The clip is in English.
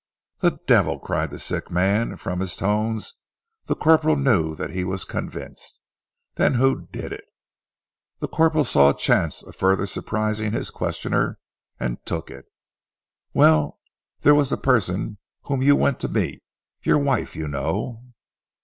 "The devil!" cried the sick man, and from his tones the corporal knew that he was convinced. "Then who did it?" The corporal saw a chance of further surprising his questioner and took it. "Well, there was the person whom you went to meet your wife, you know."